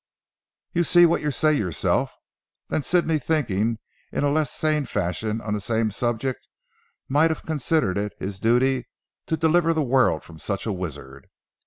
"You see what you say yourself. Then Sidney thinking in a less sane fashion on the same subject might have considered it his duty to deliver the world from such a wizard.